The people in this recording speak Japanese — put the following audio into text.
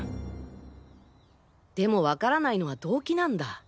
でも分からないのは動機なんだ。